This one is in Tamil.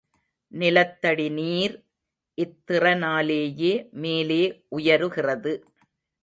நிலத்தடி நீர் இத்திறனாலேயே மேலே உயருகிறது.